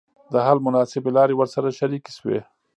د حل مناسبي لاري ورسره شریکي سوې.